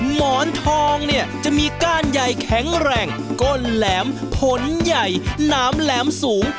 หมอนทองเนี่ยจะมีก้านใหญ่แข็งแรงก้นแหลมผลใหญ่หนามแหลมสูง